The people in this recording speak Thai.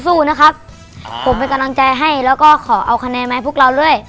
สู้นะครับผมเป็นกำลังใจให้แล้วก็ขอเอาคะแนนมาให้พวกเราด้วย